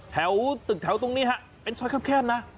แถวตึกแถวตรงนี้ฮะเป็นซอยแคบนะ